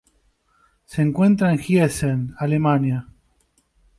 Se encuentra en Giessen, Alemania.